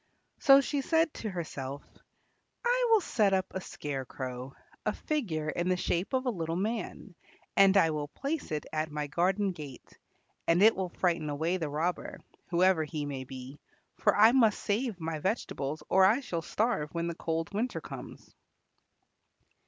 So she said to herself, "I will set up a scarecrow, a figure in the shape of a little man, and I will place it at my garden gate, and it will frighten away the robber, whoever he may be, for I must save my vegetables or I shall starve when the cold winter comes."